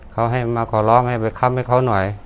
เขาให้มาขอร้องให้ไปค้ำให้เขาหน่อย